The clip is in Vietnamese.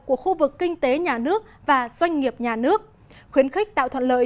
của khu vực kinh tế nhà nước và doanh nghiệp nhà nước khuyến khích tạo thuận lợi